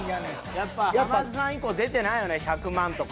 やっぱ浜田さん以降出てないよね１００万とか。